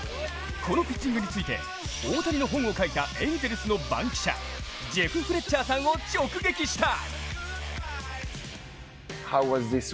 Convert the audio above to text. このピッチングについて大谷の本を書いたエンゼルスの番記者ジェフ・フレッチャーさんを直撃した。